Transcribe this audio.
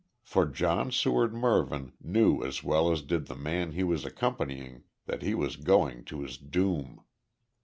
For John Seward Mervyn knew as well as did the man he was accompanying that he was going to his doom.